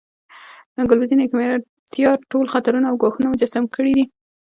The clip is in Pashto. ګلبدین حکمتیار ټول خطرونه او ګواښونه مجسم کړي دي.